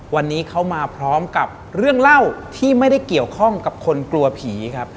วันนี้เขามาพร้อมกับเรื่องเล่าที่ไม่ได้เกี่ยวข้องกับคนกลัวผีครับ